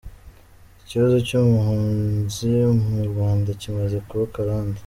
Ikibazo cy’ubuhunzi mu Rwanda kimaze kuba akarande.